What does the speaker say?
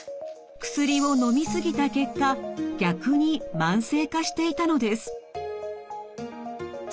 薬をのみ過ぎた結果逆に慢性化していたのです。